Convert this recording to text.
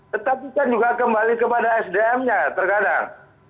tetapi kan juga kembali kepada sdm nya terkadang